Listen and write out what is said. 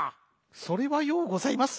「それはようございます。